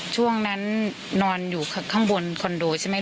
ช่วงนั้นนอนอยู่ข้างบนคอนโดใช่ไหม